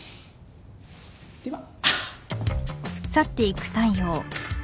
では。